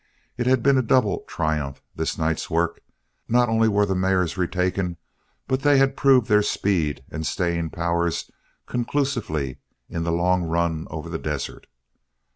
It had been a double triumph, this night's work. Not only were the mares retaken, but they had proved their speed and staying powers conclusively in the long run over the desert.